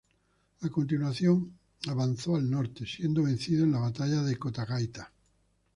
A continuación avanzó al norte, siendo vencido en la Batalla de Cotagaita.